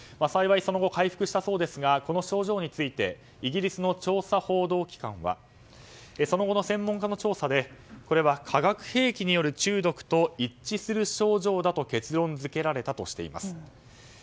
幸い、その後回復したそうですがこの症状についてイギリスの調査報道機関はその後の専門家の調査でこれは化学兵器による中毒と一致する症状だと結論付けられたとしています。